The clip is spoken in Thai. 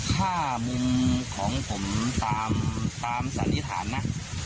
ถ้ามุมของผมตามสันนิษฐานนะ